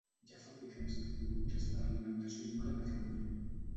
Hi ha fabricants de productes per a alimentació animal a Catalunya.